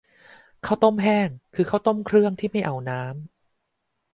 ข้าวต้มแห้ง คือข้าวต้มเครื่องที่ไม่เอาน้ำ